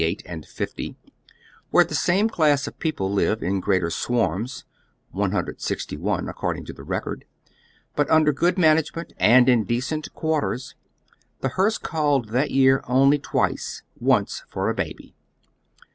IS and 50, where the same class of people live in greater swarms (161, according to the record), but under good management, and in decent quarters, the hearse called that year only twice, once for a baby.